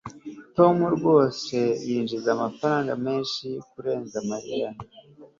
tom rwose yinjiza amafaranga menshi kurenza mariya